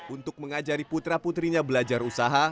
untuk mengajari putra putrinya belajar usaha